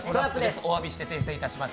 おわびして訂正します。